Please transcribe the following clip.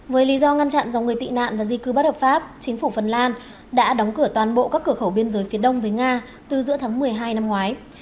với lý do ngăn chặn dòng người tị nạn và di cư bất hợp pháp chính phủ phần lan đã đóng cửa toàn bộ các cửa khẩu biên giới phía đông với nga từ giữa tháng một mươi hai năm ngoái